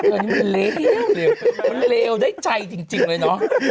อันนี้มันเลวมันเลวได้ใจจริงเลยเนอะ